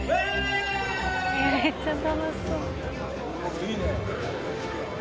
いいね。